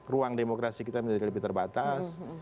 ruang demokrasi kita menjadi lebih terbatas